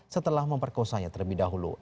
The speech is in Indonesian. setelah memperkosanya terlebih dahulu